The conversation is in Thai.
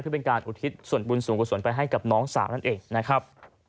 เพื่อเป็นการอุทิศส่วนบุญสูงกุศลไปให้กับน้องสาวนั่นเองนะครับ